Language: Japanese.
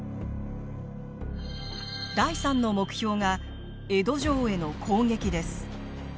第３の目標が江戸城への攻撃です。